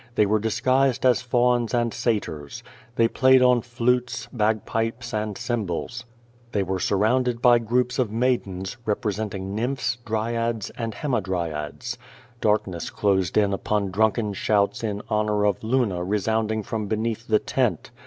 They were disguised as fauns and satyrs. They played on flutes, bag pipes and cymbals. They were surrounded by groups of maidens, representing nymphs, dryades, and hamadryades. Darkness closed in upon drunken shouts in honor of Luna resounding from beneath the tent.